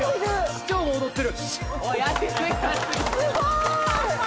市長も踊ってるすごい！